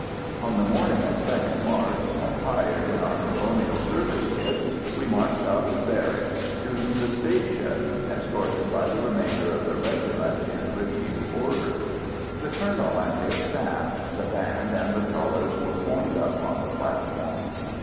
On the morning of 2nd March, attired in our colonial service kit, we marched out of barracks to the station, escorted by the remainder of the regiment in review order. The Colonel and his staff, the band, and the colours were formed up on the platform.